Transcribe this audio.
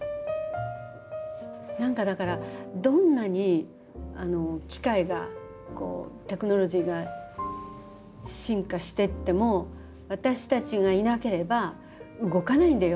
何かだから「どんなに機械がこうテクノロジーが進化してっても私たちがいなければ動かないんだよ